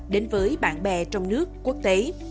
đến với bạn bè trong nước quốc tế